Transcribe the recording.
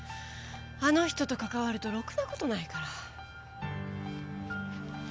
あの人とかかわるとろくなことないから。